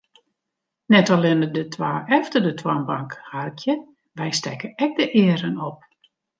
Net allinne de twa efter de toanbank harkje, wy stekke ek de earen op.